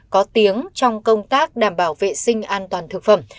có tiếng trong công tác đảm bảo vệ sinh an toàn thực phẩm